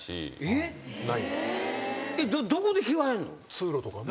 通路とかね。